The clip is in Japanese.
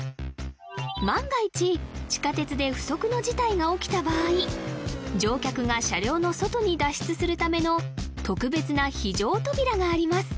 万が一地下鉄で不測の事態が起きた場合乗客が車両の外に脱出するための特別な非常扉があります